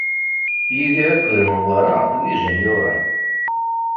Yidir akked Newwara d ijenyuren.